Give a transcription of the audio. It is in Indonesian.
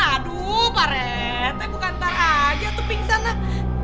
aduh pak rt bukan parah aja tuh pingsan lah